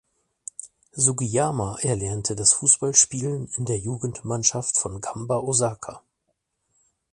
Sugiyama erlernte das Fußballspielen in der Jugendmannschaft von Gamba Osaka.